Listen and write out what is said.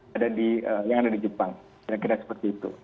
kira kira seperti itu